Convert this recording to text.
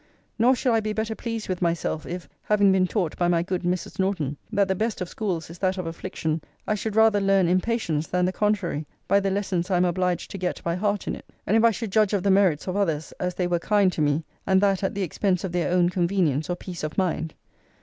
Nor should I be better pleased with myself, if, having been taught by my good Mrs. Norton, that the best of schools is that of affliction, I should rather learn impatience than the contrary, by the lessons I am obliged to get by heart in it; and if I should judge of the merits of others, as they were kind to me; and that at the expense of their own convenience or peace of mind.